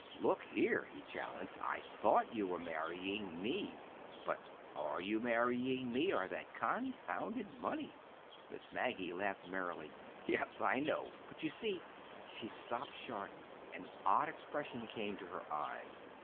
"Look here," he challenged, "I thought you were marrying me, but—are you marrying me or that confounded money?" Miss Maggie laughed merrily. "Yes, I know; but you see—" She stopped short. An odd expression came to her eyes.